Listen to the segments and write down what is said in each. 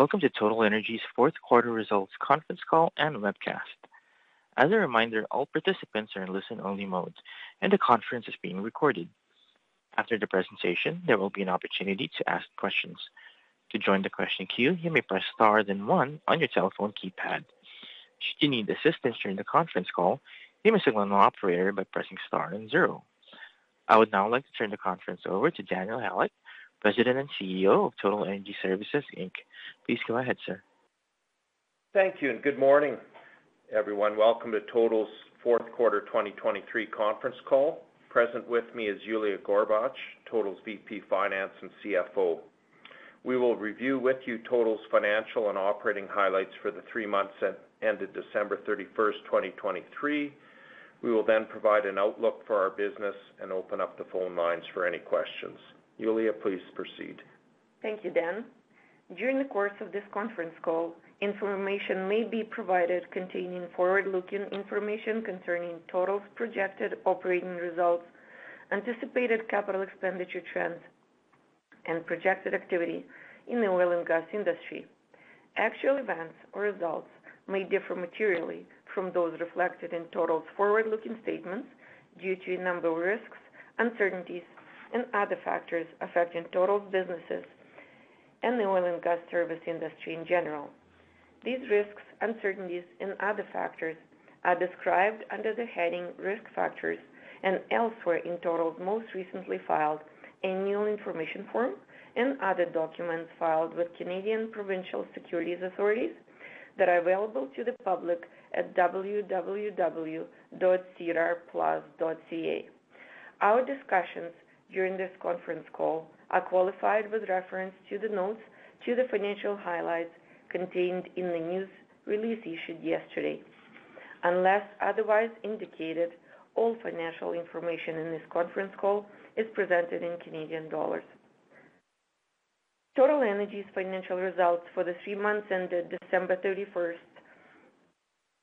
Welcome to Total Energy Services' fourth quarter results conference call and webcast. As a reminder, all participants are in listen-only mode, and the conference is being recorded. After the presentation, there will be an opportunity to ask questions. To join the question queue, you may press star then one on your telephone keypad. Should you need assistance during the conference call, you may signal an operator by pressing star and zero. I would now like to turn the conference over to Daniel Halyk, President and CEO of Total Energy Services Inc. Please go ahead, sir. Thank you, and good morning, everyone. Welcome to Total's fourth quarter, 2023 conference call. Present with me is Yuliya Gorbach, Total's VP Finance and CFO. We will review with you Total's financial and operating highlights for the three months that ended December 31, 2023. We will then provide an outlook for our business and open up the phone lines for any questions. Yuliya, please proceed. Thank you, Dan. During the course of this conference call, information may be provided containing forward-looking information concerning Total's projected operating results, anticipated capital expenditure trends, and projected activity in the oil and gas industry. Actual events or results may differ materially from those reflected in Total's forward-looking statements due to a number of risks, uncertainties, and other factors affecting Total's businesses and the oil and gas service industry in general. These risks, uncertainties and other factors are described under the heading Risk Factors and elsewhere in Total's most recently filed annual information form and other documents filed with Canadian securities regulatory authorities that are available to the public at www.sedarplus.ca. Our discussions during this conference call are qualified with reference to the notes, to the financial highlights contained in the news release issued yesterday. Unless otherwise indicated, all financial information in this conference call is presented in Canadian dollars. Total Energy's financial results for the three months ended December 31,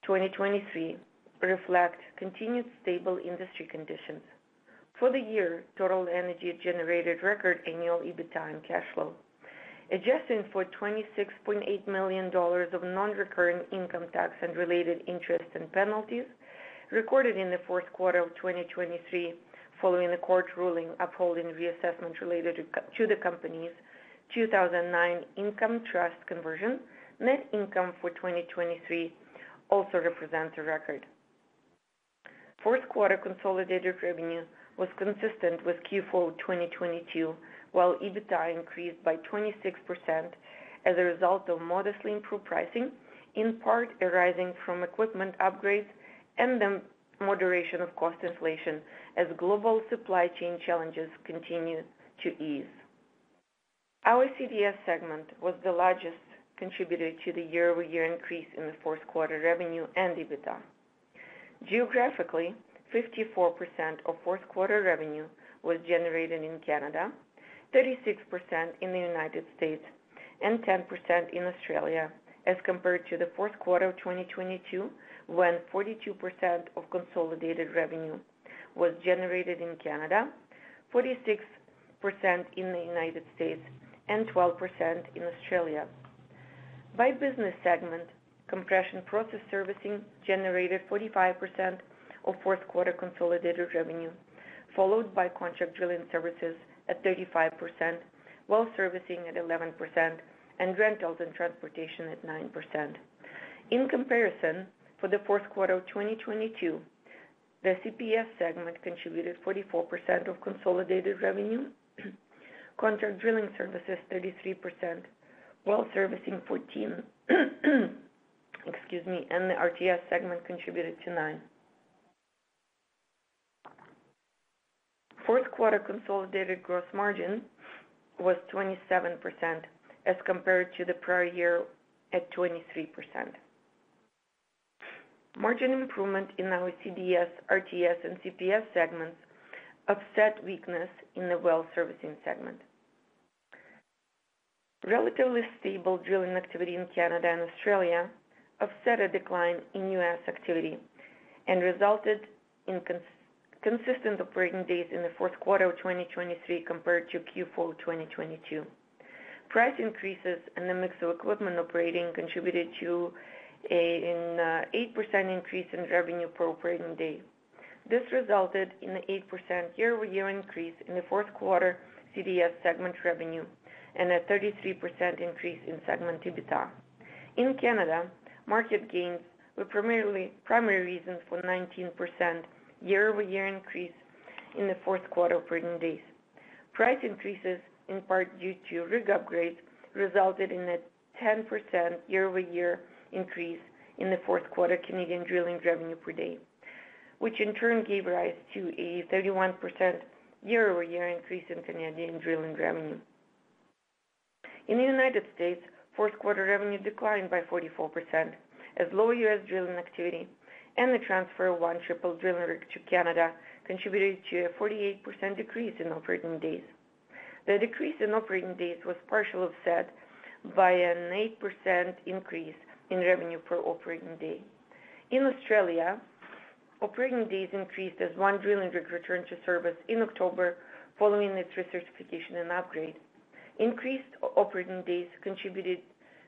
2023 reflect continued stable industry conditions. For the year, Total Energy generated record annual EBITDA and cash flow. Adjusting for 26.8 million dollars of non-recurring income tax and related interest and penalties recorded in the fourth quarter of 2023, following a court ruling upholding the reassessment related to the company's 2009 income trust conversion, net income for 2023 also represents a record. Fourth quarter consolidated revenue was consistent with Q4 of 2022, while EBITDA increased by 26% as a result of modestly improved pricing, in part arising from equipment upgrades and the moderation of cost inflation as global supply chain challenges continue to ease. Our CDS segment was the largest contributor to the year-over-year increase in the fourth quarter revenue and EBITDA. Geographically, 54% of fourth quarter revenue was generated in Canada, 36% in the United States, and 10% in Australia, as compared to the fourth quarter of 2022, when 42% of consolidated revenue was generated in Canada, 46% in the United States, and 12% in Australia. By business segment, Compression and Process Services generated 45% of fourth quarter consolidated revenue, followed by Contract Drilling Services at 35%, Well Servicing at 11%, and Rentals and Transportation Services at 9%. In comparison, for the fourth quarter of 2022, the CPS segment contributed 44% of consolidated revenue, Contract Drilling Services 33%, Well Servicing 14%, excuse me, and the RTS segment contributed to 9%. Fourth quarter consolidated gross margin was 27% as compared to the prior year at 23%. Margin improvement in our CDS, RTS, and CPS segments offset weakness in the well servicing segment. Relatively stable drilling activity in Canada and Australia offset a decline in U.S. activity and resulted in consistent operating days in the fourth quarter of 2023 compared to Q4 of 2022. Price increases and the mix of equipment operating contributed to an 8% increase in revenue per operating day. This resulted in an 8% year-over-year increase in the fourth quarter CDS segment revenue and a 33% increase in segment EBITDA. In Canada, market gains were the primary reasons for 19% year-over-year increase in the fourth quarter operating days. Price increases, in part due to rig upgrades, resulted in a 10% year-over-year increase in the fourth quarter Canadian drilling revenue per day, which in turn gave rise to a 31% year-over-year increase in Canadian drilling revenue. In the United States, fourth quarter revenue declined by 44%, as low U.S. drilling activity and the transfer of one triple drilling rig to Canada contributed to a 48% decrease in operating days. The decrease in operating days was partially offset by an 8% increase in revenue per operating day. In Australia... Operating days increased as one drilling rig returned to service in October, following its recertification and upgrade. Increased operating days contributed,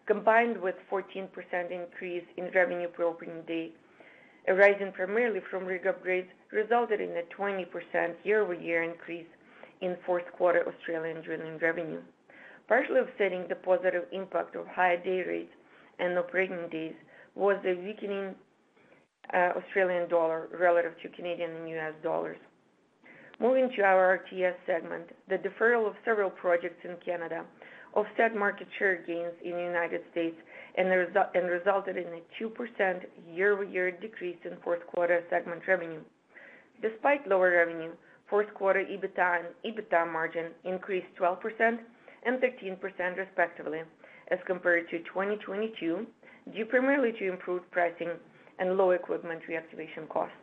combined with 14% increase in revenue per operating day, arising primarily from rig upgrades, resulted in a 20% year-over-year increase in fourth quarter Australian drilling revenue. Partially offsetting the positive impact of higher day rates and operating days was the weakening Australian dollar relative to Canadian and U.S. dollars. Moving to our RTS segment, the deferral of several projects in Canada offset market share gains in the United States, and resulted in a 2% year-over-year decrease in fourth quarter segment revenue. Despite lower revenue, fourth quarter EBITDA and EBITDA margin increased 12% and 13% respectively, as compared to 2022, due primarily to improved pricing and low equipment reactivation costs.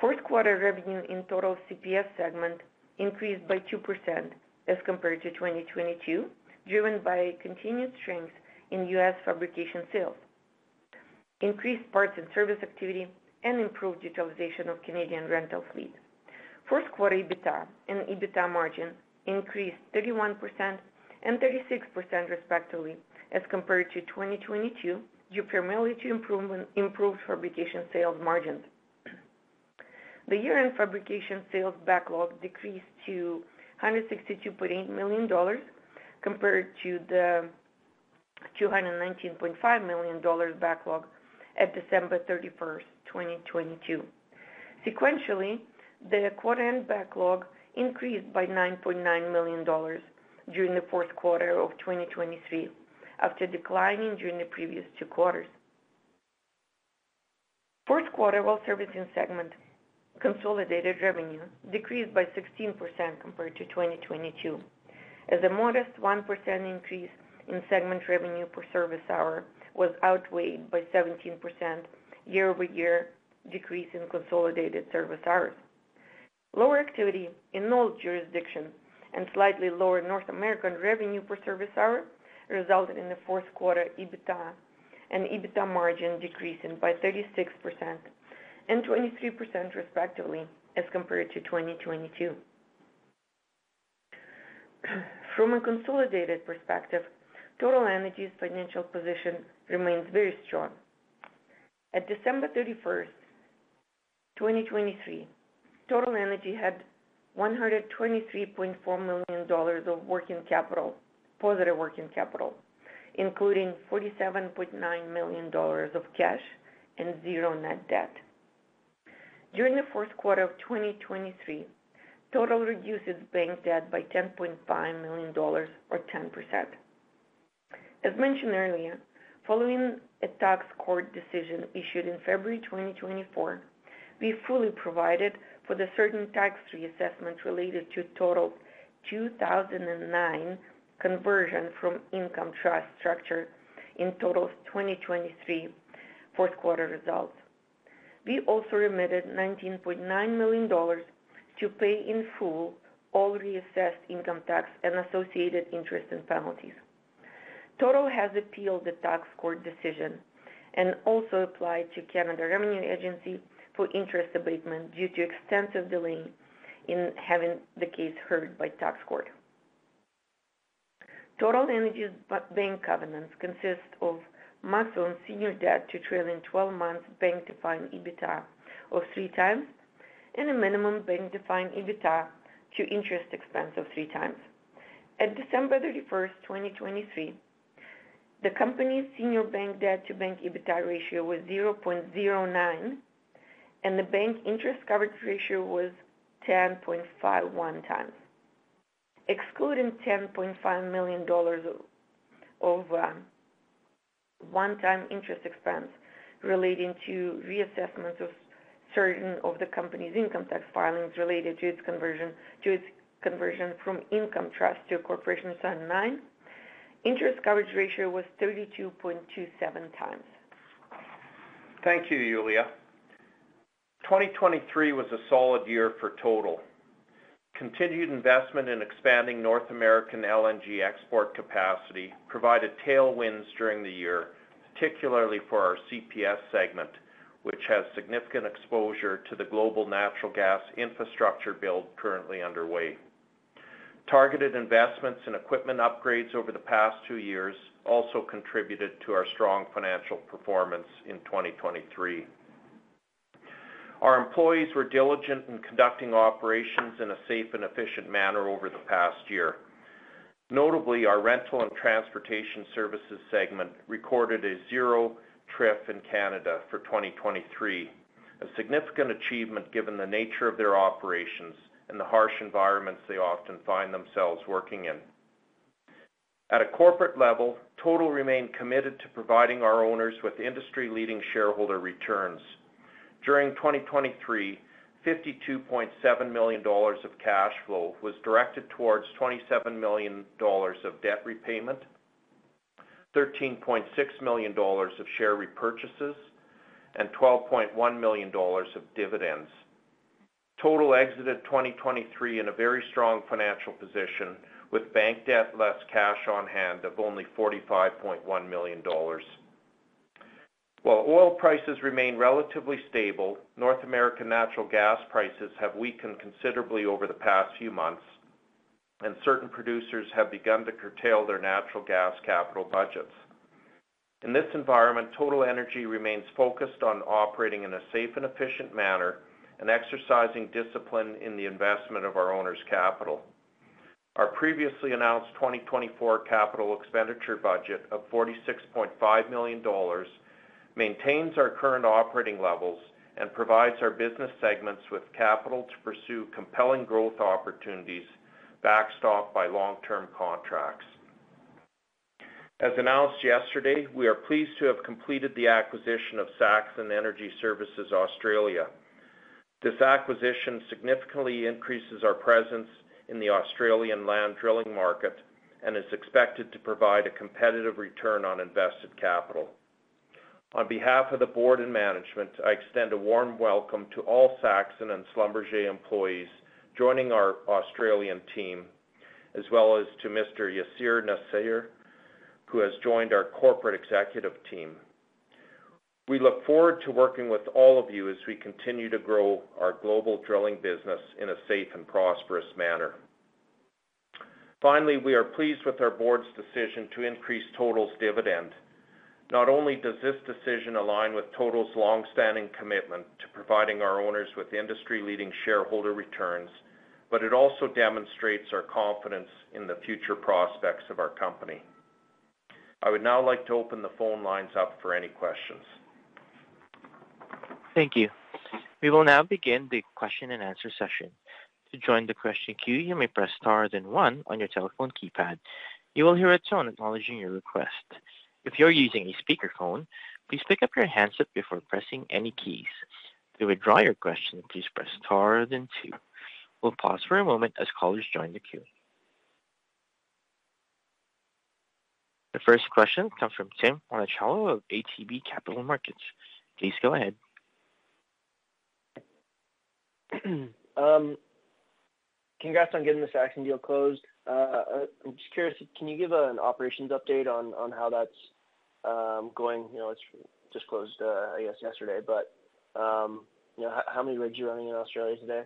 Fourth quarter revenue in total CPS segment increased by 2% as compared to 2022, driven by continued strength in U.S. fabrication sales, increased parts and service activity, and improved utilization of Canadian rental fleet. Fourth quarter EBITDA and EBITDA margin increased 31% and 36% respectively, as compared to 2022, due primarily to improved fabrication sales margins. The year-end fabrication sales backlog decreased to 162.8 million dollars, compared to the 219.5 million dollars backlog at December 31, 2022. Sequentially, the quarter-end backlog increased by 9.9 million dollars during the fourth quarter of 2023, after declining during the previous two quarters. Fourth quarter well servicing segment consolidated revenue decreased by 16% compared to 2022, as a modest 1% increase in segment revenue per service hour was outweighed by 17% year-over-year decrease in consolidated service hours. Lower activity in all jurisdictions and slightly lower North American revenue per service hour resulted in the fourth quarter EBITDA and EBITDA margin decreasing by 36% and 23% respectively, as compared to 2022. From a consolidated perspective, Total Energy's financial position remains very strong. At December 31, 2023, Total Energy had 123.4 million dollars of working capital, positive working capital, including 47.9 million dollars of cash and zero net debt. During the fourth quarter of 2023, Total reduced its bank debt by 10.5 million dollars or 10%. As mentioned earlier, following a tax court decision issued in February 2024, we fully provided for the certain tax reassessment related to Total's 2009 conversion from income trust structure in Total's 2023 fourth quarter results. We also remitted 19.9 million dollars to pay in full all reassessed income tax and associated interest and penalties. Total Energy Services has appealed the tax court decision and also applied to Canada Revenue Agency for interest abatement due to extensive delay in having the case heard by tax court. Total Energy Services' bank covenants consist of maximum senior debt to trailing twelve months bank-defined EBITDA of 3x, and a minimum bank-defined EBITDA to interest expense of 3x. At December 31, 2023, the company's senior bank debt to bank EBITDA ratio was 0.09, and the bank interest coverage ratio was 10.51x. Excluding CAD 10.5 million of one-time interest expense relating to reassessments of certain of the company's income tax filings related to its conversion, to its conversion from income trust to a corporation in 2009, interest coverage ratio was 32.27x. Thank you, Yuliya. 2023 was a solid year for Total. Continued investment in expanding North American LNG export capacity provided tailwinds during the year, particularly for our CPS segment, which has significant exposure to the global natural gas infrastructure build currently underway. Targeted investments and equipment upgrades over the past 2 years also contributed to our strong financial performance in 2023. Our employees were diligent in conducting operations in a safe and efficient manner over the past year. Notably, our rental and transportation services segment recorded a 0.00 TRIR in Canada for 2023, a significant achievement given the nature of their operations and the harsh environments they often find themselves working in. At a corporate level, Total remained committed to providing our owners with industry-leading shareholder returns. During 2023, 52.7 million dollars of cash flow was directed towards 27 million dollars of debt repayment, 13.6 million dollars of share repurchases, and 12.1 million dollars of dividends. Total exited 2023 in a very strong financial position, with bank debt less cash on hand of only 45.1 million dollars. While oil prices remain relatively stable, North American natural gas prices have weakened considerably over the past few months, and certain producers have begun to curtail their natural gas capital budgets. In this environment, Total Energy remains focused on operating in a safe and efficient manner and exercising discipline in the investment of our owners' capital. Our previously announced 2024 capital expenditure budget of 46.5 million dollars maintains our current operating levels and provides our business segments with capital to pursue compelling growth opportunities, backstopped by long-term contracts. As announced yesterday, we are pleased to have completed the acquisition of Saxon Energy Services Australia. This acquisition significantly increases our presence in the Australian land drilling market and is expected to provide a competitive return on invested capital. On behalf of the board and management, I extend a warm welcome to all Saxon and Schlumberger employees joining our Australian team, as well as to Mr. Muhammad Yasir Nisar, who has joined our corporate executive team. We look forward to working with all of you as we continue to grow our global drilling business in a safe and prosperous manner. Finally, we are pleased with our board's decision to increase Total's dividend. Not only does this decision align with Total's long-standing commitment to providing our owners with industry-leading shareholder returns, but it also demonstrates our confidence in the future prospects of our company. I would now like to open the phone lines up for any questions. Thank you. We will now begin the question-and-answer session. To join the question queue, you may press star, then one on your telephone keypad. You will hear a tone acknowledging your request. If you're using a speakerphone, please pick up your handset before pressing any keys. To withdraw your question, please press star, then two. We'll pause for a moment as callers join the queue. The first question comes from Tim Monachello of ATB Capital Markets. Please go ahead. Congrats on getting the Saxon deal closed. I'm just curious, can you give an operations update on how that's going? You know, it's just closed, I guess yesterday, but you know, how many rigs are you running in Australia today?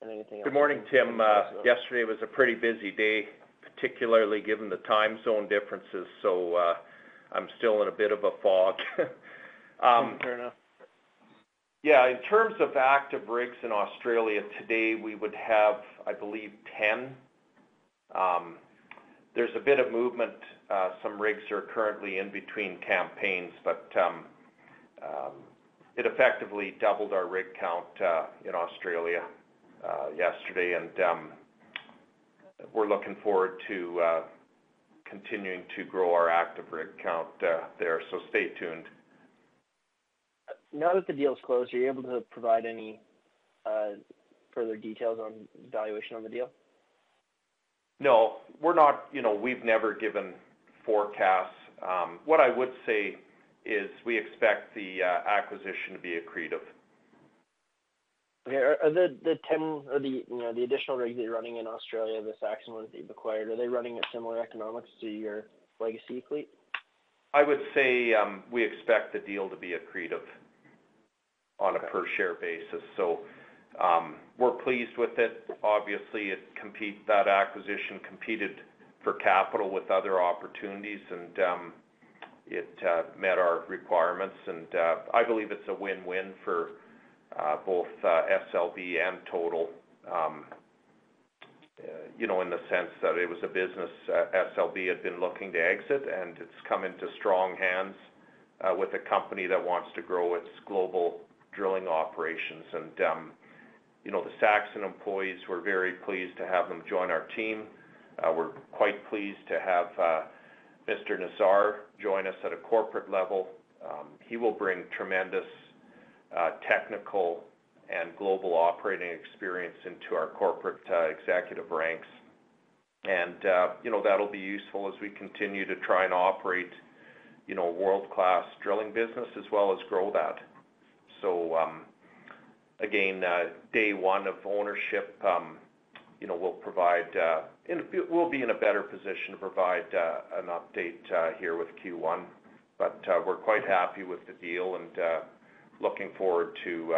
And anything else- Good morning, Tim. Yesterday was a pretty busy day, particularly given the time zone differences, so, I'm still in a bit of a fog. Fair enough. Yeah, in terms of active rigs in Australia, today, we would have, I believe, 10. There's a bit of movement. Some rigs are currently in between campaigns, but it effectively doubled our rig count in Australia yesterday. We're looking forward to continuing to grow our active rig count there, so stay tuned. Now that the deal is closed, are you able to provide any, further details on valuation on the deal? No, we're not... You know, we've never given forecasts. What I would say is we expect the acquisition to be accretive. Okay. Are the 10 or the, you know, the additional rigs that you're running in Australia, the Saxon ones that you've acquired, are they running at similar economics to your legacy fleet? I would say, we expect the deal to be accretive on a per-share basis, so, we're pleased with it. Obviously, that acquisition competed for capital with other opportunities, and, it met our requirements. And, I believe it's a win-win for, both, SLB and Total, you know, in the sense that it was a business, SLB had been looking to exit, and it's come into strong hands, with a company that wants to grow its global drilling operations. And, you know, the Saxon employees, we're very pleased to have them join our team. We're quite pleased to have, Mr. Nisar join us at a corporate level. He will bring tremendous, technical and global operating experience into our corporate, executive ranks. And, you know, that'll be useful as we continue to try and operate, you know, world-class drilling business as well as grow that. So, again, day one of ownership, you know, we'll be in a better position to provide an update here with Q1. But, we're quite happy with the deal and, looking forward to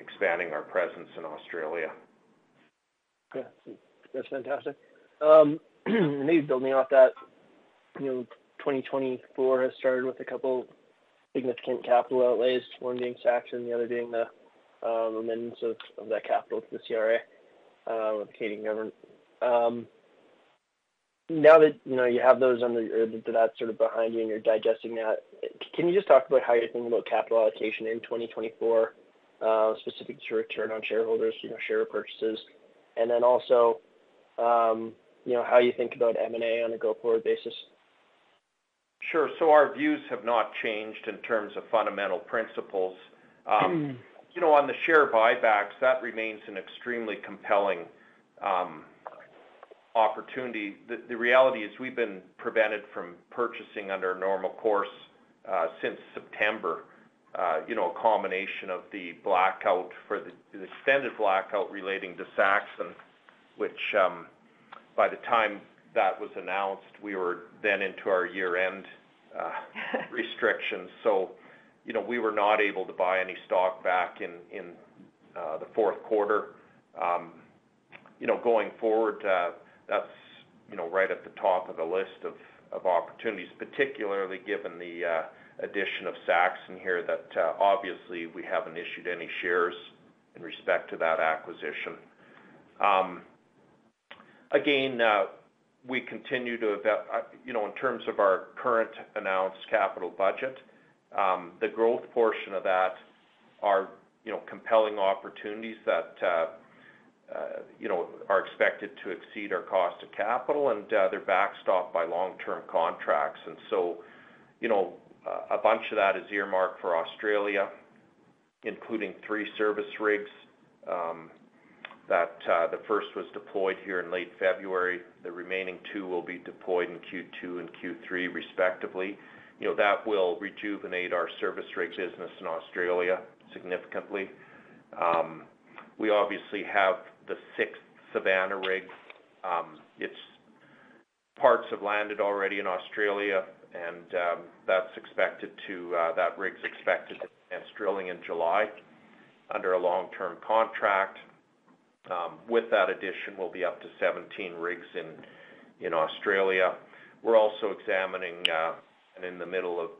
expanding our presence in Australia. Okay. That's fantastic. Maybe building off that, you know, 2024 has started with a couple significant capital outlays, one being Saxon, the other being the remittance of that capital to the CRA with the Canadian government. Now that, you know, you have those under, or that's sort of behind you, and you're digesting that, can you just talk about how you're thinking about capital allocation in 2024, specific to return on shareholders, you know, share purchases? And then also, you know, how you think about M&A on a go-forward basis. Sure. So our views have not changed in terms of fundamental principles. You know, on the share buybacks, that remains an extremely compelling opportunity. The reality is we've been prevented from purchasing under a normal course since September. You know, a combination of the blackout for the extended blackout relating to Saxon, which, by the time that was announced, we were then into our year-end restrictions. So, you know, we were not able to buy any stock back in the fourth quarter. You know, going forward, that's right at the top of the list of opportunities, particularly given the addition of Saxon here, that obviously, we haven't issued any shares in respect to that acquisition. Again, we continue to, you know, in terms of our current announced capital budget, the growth portion of that are, you know, compelling opportunities that, you know, are expected to exceed our cost of capital, and they're backstopped by long-term contracts. And so, you know, a bunch of that is earmarked for Australia, including three service rigs, that the first was deployed here in late February. The remaining two will be deployed in Q2 and Q3, respectively. You know, that will rejuvenate our service rig business in Australia significantly. We obviously have the sixth Savanna rig. Its parts have landed already in Australia, and that's expected to, that rig's expected to commence drilling in July under a long-term contract. With that addition, we'll be up to 17 rigs in Australia. We're also examining and in the middle of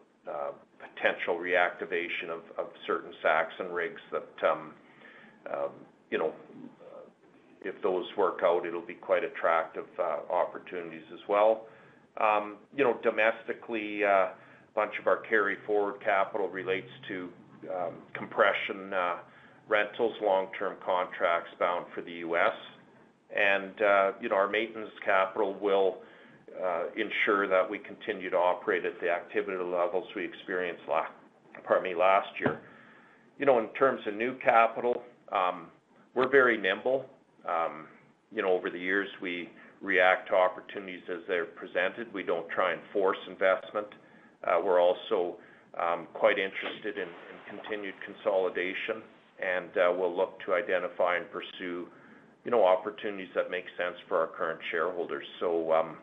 potential reactivation of certain Saxon rigs that, you know, if those work out, it'll be quite attractive opportunities as well. You know, domestically, a bunch of our carry forward capital relates to compression rentals, long-term contracts bound for the U.S. And, you know, our maintenance capital will ensure that we continue to operate at the activity levels we experienced—pardon me, last year. You know, in terms of new capital, we're very nimble. You know, over the years, we react to opportunities as they're presented. We don't try and force investment. We're also quite interested in continued consolidation, and we'll look to identify and pursue, you know, opportunities that make sense for our current shareholders. So,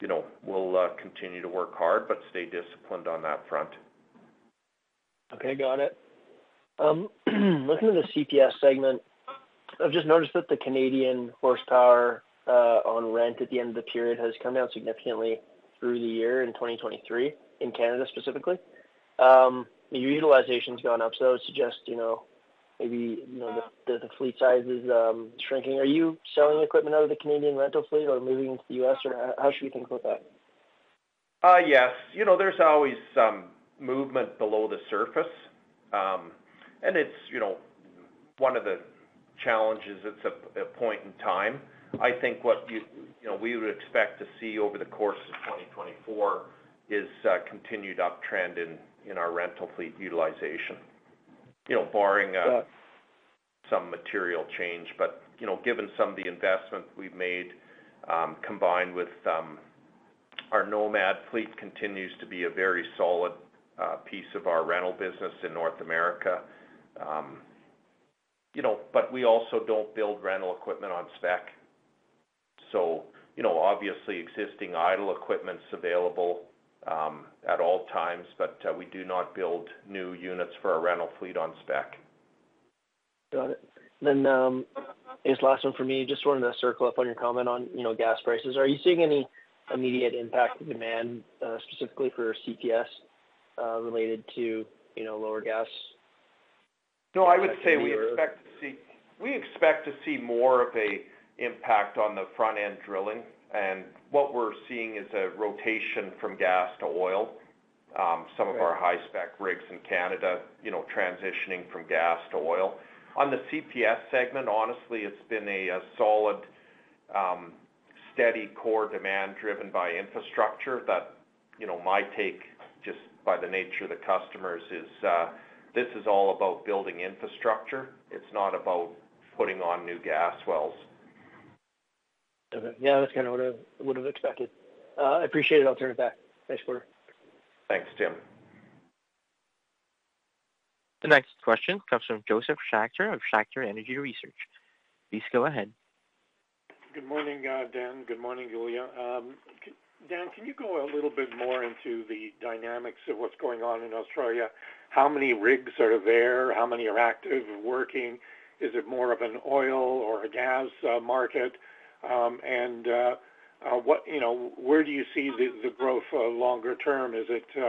you know, we'll continue to work hard, but stay disciplined on that front. Okay, got it. Looking at the CPS segment, I've just noticed that the Canadian horsepower on rent at the end of the period has come down significantly through the year in 2023, in Canada, specifically. Your utilization's gone up, so I would suggest, you know, maybe, you know, the fleet size is shrinking. Are you selling equipment out of the Canadian rental fleet or moving into the U.S., or how should we think about that? Yes. You know, there's always some movement below the surface. And it's, you know, one of the challenges, it's a point in time. I think what you you know, we would expect to see over the course of 2024 is continued uptrend in our rental fleet utilization. You know, barring- Got it. -some material change. But, you know, given some of the investments we've made, combined with, our Nomad fleet continues to be a very solid, piece of our rental business in North America. You know, but we also don't build rental equipment on spec. So, you know, obviously, existing idle equipment's available, at all times, but, we do not build new units for our rental fleet on spec. Got it. Then, I guess last one for me, just wanted to circle up on your comment on, you know, gas prices. Are you seeing any immediate impact on demand, specifically for CPS, related to, you know, lower gas? No, I would say we expect to see-... We expect to see more of a impact on the front-end drilling. And what we're seeing is a rotation from gas to oil. Right. -some of our high-spec rigs in Canada, you know, transitioning from gas to oil. On the CPS segment, honestly, it's been a solid, steady core demand driven by infrastructure that, you know, my take, just by the nature of the customers, is this is all about building infrastructure. It's not about putting on new gas wells. Okay. Yeah, that's kind of what I would have expected. I appreciate it. I'll turn it back. Thanks for it. Thanks, Tim. The next question comes from Joseph Schachter of Schachter Energy Research. Please go ahead. Good morning, Dan. Good morning, Yuliya. Dan, can you go a little bit more into the dynamics of what's going on in Australia? How many rigs are there? How many are active and working? Is it more of an oil or a gas market? And what—you know, where do you see the growth longer term? Is it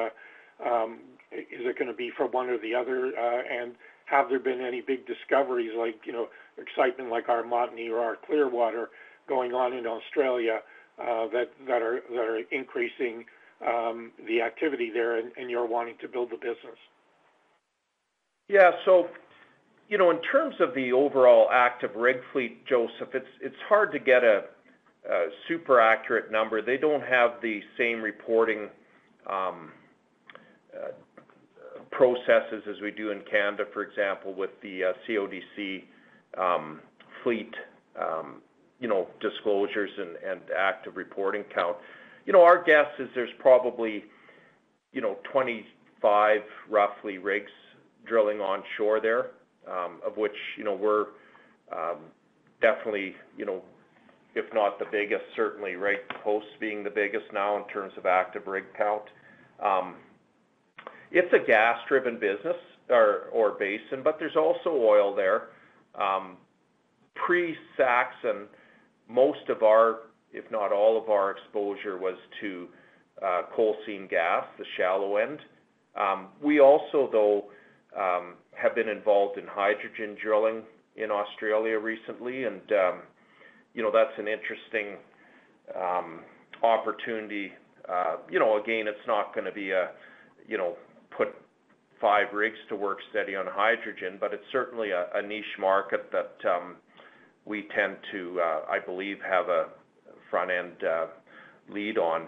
gonna be from one or the other? And have there been any big discoveries like, you know, excitement like Armadillo or Clearwater going on in Australia, that are increasing the activity there, and you're wanting to build the business? Yeah. So, you know, in terms of the overall active rig fleet, Josef, it's hard to get a super accurate number. They don't have the same reporting processes as we do in Canada, for example, with the CAODC fleet, you know, disclosures and active reporting count. You know, our guess is there's probably, you know, 25, roughly, rigs drilling onshore there, of which, you know, we're definitely, you know, if not the biggest, certainly right post being the biggest now in terms of active rig count. It's a gas-driven business or basin, but there's also oil there. Pre-Saxon, most of our, if not all of our exposure was to coal seam gas, the shallow end. We also, though, have been involved in hydrogen drilling in Australia recently, and, you know, that's an interesting opportunity. You know, again, it's not gonna be a, you know, put five rigs to work steady on hydrogen, but it's certainly a niche market that we tend to, I believe, have a front-end lead on.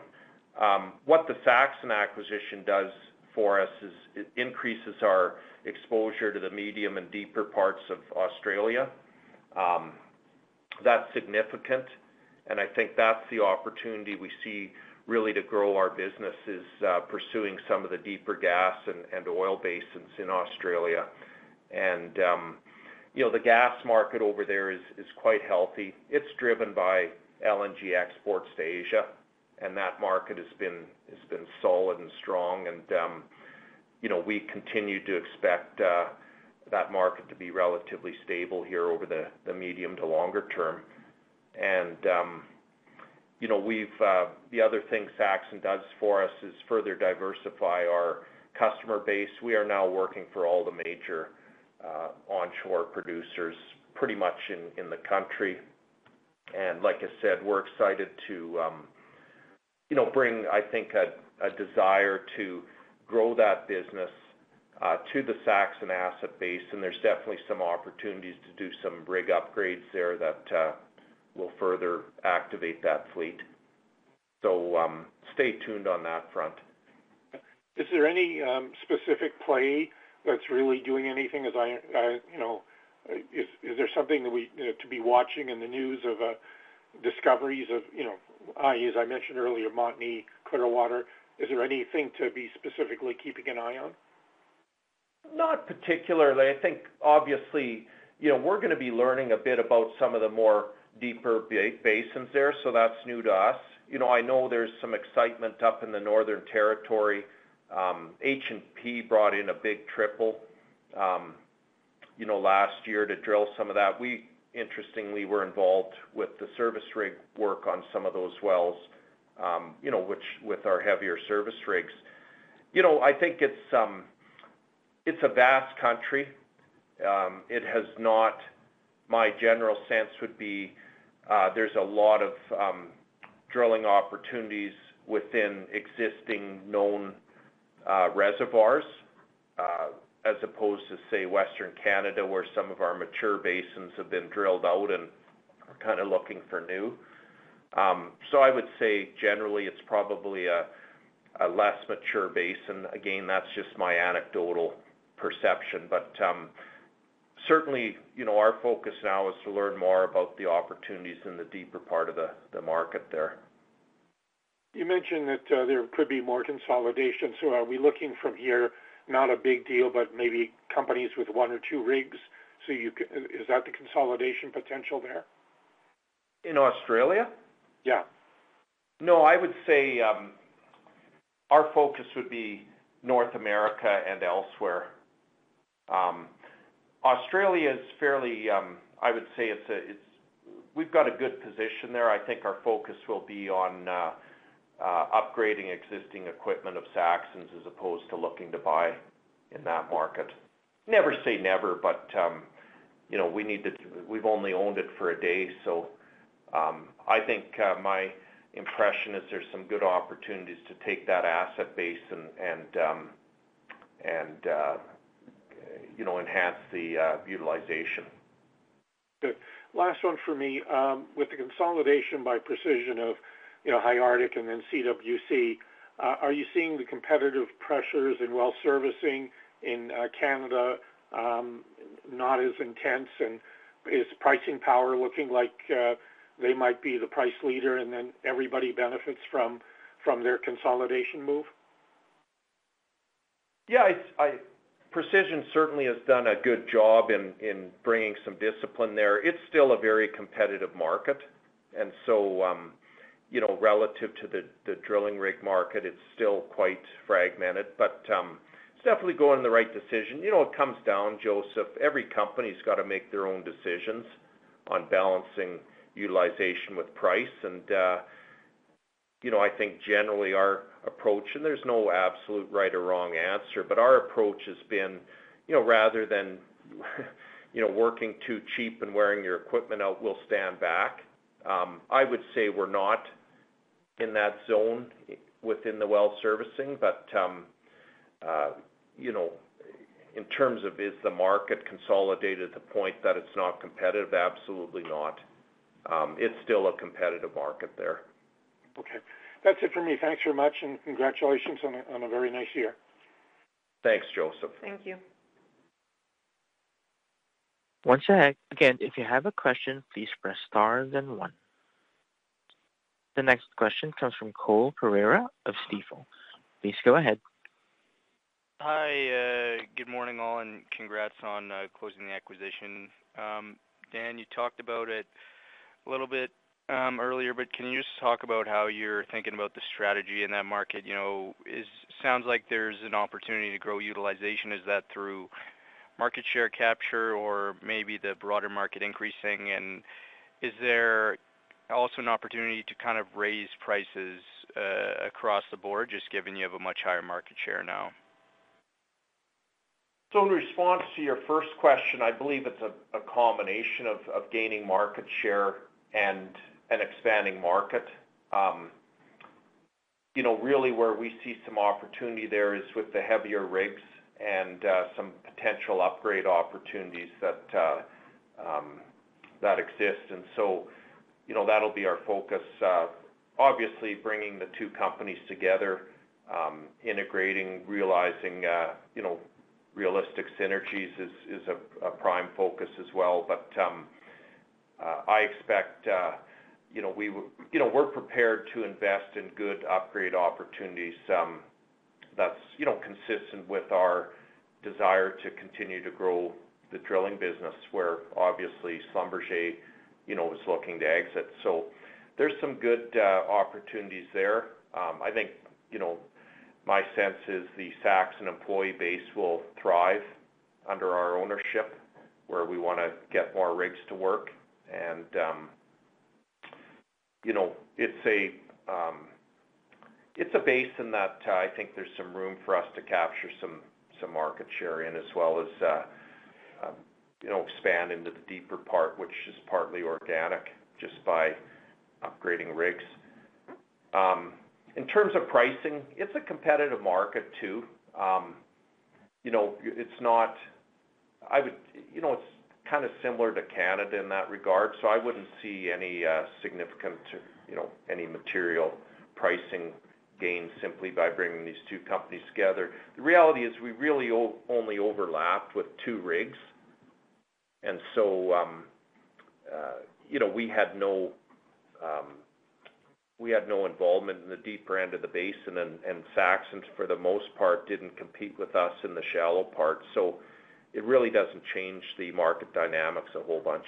What the Saxon acquisition does for us is it increases our exposure to the medium and deeper parts of Australia. That's significant, and I think that's the opportunity we see, really, to grow our business, is pursuing some of the deeper gas and oil basins in Australia. And you know, the gas market over there is quite healthy. It's driven by LNG exports to Asia, and that market has been solid and strong, and, you know, we continue to expect that market to be relatively stable here over the medium to longer term. The other thing Saxon does for us is further diversify our customer base. We are now working for all the major onshore producers, pretty much in the country. And like I said, we're excited to, you know, bring, I think, a desire to grow that business to the Saxon asset base, and there's definitely some opportunities to do some rig upgrades there that will further activate that fleet. So, stay tuned on that front. Is there any specific play that's really doing anything? As I you know, is there something that we to be watching in the news of discoveries of, you know, i.e., as I mentioned earlier, Montney, Clearwater? Is there anything to be specifically keeping an eye on? Not particularly. I think, obviously, you know, we're gonna be learning a bit about some of the more deeper basins there, so that's new to us. You know, I know there's some excitement up in the Northern Territory. H&P brought in a big triple, you know, last year to drill some of that. We, interestingly, were involved with the service rig work on some of those wells, you know, which with our heavier service rigs. You know, I think it's, it's a vast country. It has not... My general sense would be, there's a lot of drilling opportunities within existing known reservoirs, as opposed to, say, Western Canada, where some of our mature basins have been drilled out and are kind of looking for new. So I would say, generally, it's probably a, a less mature basin. Again, that's just my anecdotal perception. But, certainly, you know, our focus now is to learn more about the opportunities in the deeper part of the market there. You mentioned that there could be more consolidation, so are we looking from here, not a big deal, but maybe companies with one or two rigs. Is that the consolidation potential there? In Australia? Yeah. No, I would say, our focus would be North America and elsewhere. Australia is fairly, I would say it's a. We've got a good position there. I think our focus will be on upgrading existing equipment of Saxon's, as opposed to looking to buy in that market. Never say never, but, you know, we've only owned it for a day, so, I think, my impression is there's some good opportunities to take that asset base and, you know, enhance the utilization. Good. Last one for me. With the consolidation by Precision of, you know, High Arctic and then CWC, are you seeing the competitive pressures in well servicing in Canada not as intense? Is pricing power looking like they might be the price leader, and then everybody benefits from their consolidation move? Yeah, it's Precision certainly has done a good job in bringing some discipline there. It's still a very competitive market, and so you know, relative to the drilling rig market, it's still quite fragmented, but it's definitely going in the right decision. You know, it comes down, Josef, every company's got to make their own decisions on balancing utilization with price. And you know, I think generally our approach, and there's no absolute right or wrong answer, but our approach has been you know, rather than you know, working too cheap and wearing your equipment out, we'll stand back. I would say we're not in that zone within the well servicing, but you know, in terms of is the market consolidated to the point that it's not competitive? Absolutely not. It's still a competitive market there.... Okay, that's it for me. Thanks very much, and congratulations on a, on a very nice year. Thanks, Joseph. Thank you. Once again, if you have a question, please press star, then one. The next question comes from Cole Pereira of Stifel. Please go ahead. Hi, good morning, all, and congrats on closing the acquisition. Dan, you talked about it a little bit, earlier, but can you just talk about how you're thinking about the strategy in that market? You know, it sounds like there's an opportunity to grow utilization. Is that through market share capture or maybe the broader market increasing? And is there also an opportunity to kind of raise prices, across the board, just given you have a much higher market share now? So in response to your first question, I believe it's a combination of gaining market share and an expanding market. You know, really where we see some opportunity there is with the heavier rigs and some potential upgrade opportunities that exist. So, you know, that'll be our focus. Obviously, bringing the two companies together, integrating, realizing, you know, realistic synergies is a prime focus as well. But, I expect, you know, we... You know, we're prepared to invest in good upgrade opportunities, that's, you know, consistent with our desire to continue to grow the drilling business, where obviously, Schlumberger, you know, was looking to exit. So there's some good opportunities there. I think, you know, my sense is the Saxon employee base will thrive under our ownership, where we wanna get more rigs to work. And, you know, it's a, it's a base in that, I think there's some room for us to capture some, some market share in, as well as, you know, expand into the deeper part, which is partly organic, just by upgrading rigs. In terms of pricing, it's a competitive market, too. You know, it's not—I would... You know, it's kind of similar to Canada in that regard, so I wouldn't see any, significant, you know, any material pricing gains simply by bringing these two companies together. The reality is we really only overlapped with two rigs, and so, you know, we had no, we had no involvement in the deeper end of the basin. Saxon, for the most part, didn't compete with us in the shallow part, so it really doesn't change the market dynamics a whole bunch.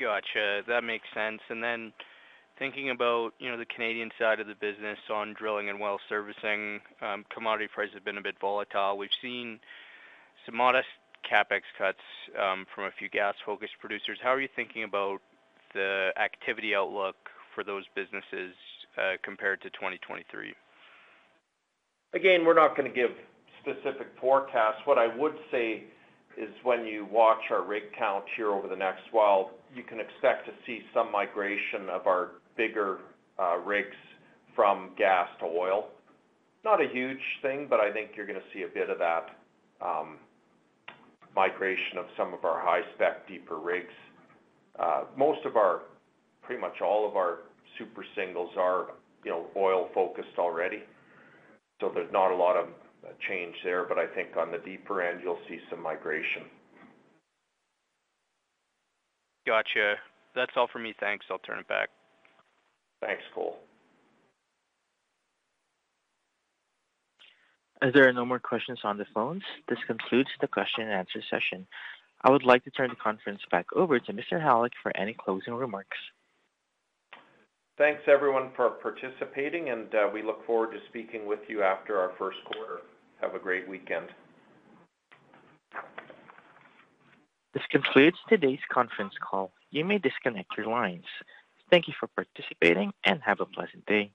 Gotcha, that makes sense. And then thinking about, you know, the Canadian side of the business on drilling and well servicing, commodity prices have been a bit volatile. We've seen some modest CapEx cuts from a few gas-focused producers. How are you thinking about the activity outlook for those businesses compared to 2023? Again, we're not gonna give specific forecasts. What I would say is, when you watch our rig count here over the next while, you can expect to see some migration of our bigger, rigs from gas to oil. Not a huge thing, but I think you're gonna see a bit of that, migration of some of our high-spec, deeper rigs. Most of our... Pretty much all of our super singles are, you know, oil-focused already, so there's not a lot of, change there. But I think on the deeper end, you'll see some migration. Gotcha. That's all for me. Thanks. I'll turn it back. Thanks, Cole. As there are no more questions on the phones, this concludes the question and answer session. I would like to turn the conference back over to Mr. Halyk for any closing remarks. Thanks, everyone, for participating, and we look forward to speaking with you after our first quarter. Have a great weekend. This concludes today's conference call. You may disconnect your lines. Thank you for participating, and have a pleasant day.